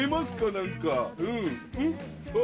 何か。